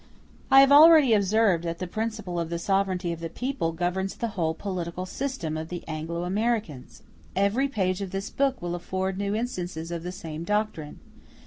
I have already observed that the principle of the sovereignty of the people governs the whole political system of the Anglo Americans. Every page of this book will afford new instances of the same doctrine.